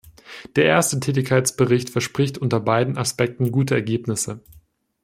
Der erste Tätigkeitsbericht verspricht unter beiden Aspekten gute Ergebnisse.